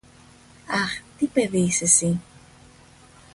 Αχ! Τι παιδί είσαι συ!.